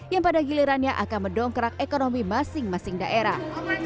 yang pada gilirannya akan mendongkrak ekonomi masing masing daerah